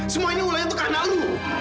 semua ini ulahnya tuh karena lu